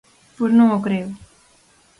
Pois non o creo.